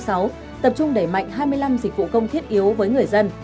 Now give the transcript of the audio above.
tập trung đẩy mạnh hai mươi năm dịch vụ công thiết yếu với người dân